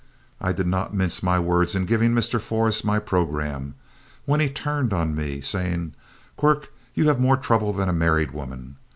I did not mince my words in giving Mr. Forrest my programme, when he turned on me, saying: "Quirk, you have more trouble than a married woman.